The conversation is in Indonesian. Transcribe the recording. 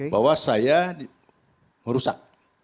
bahwa saya merusak